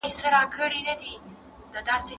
زه هره ورځ ليک لولم!.